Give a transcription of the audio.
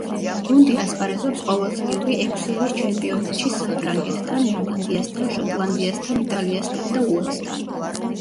გუნდი ასპარეზობს ყოველწლიურ ექვსი ერის ჩემპიონატში საფრანგეთთან, ირლანდიასთან, შოტლანდიასთან, იტალიასთან და უელსთან.